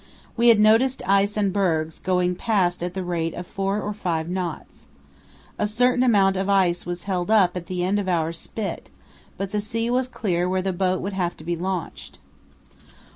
We had noticed ice and bergs, going past at the rate of four or five knots. A certain amount of ice was held up about the end of our spit, but the sea was clear where the boat would have to be launched.